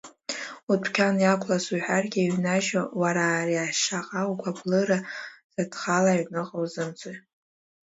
Удәқьан иақәлаз уҳәаргьы иҩнажьу, уара ари ашьаҟа угәаблыра задхалеи, аҩныҟа узымцои?